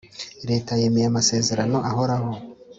Leta yemeye amasezerano ahoraho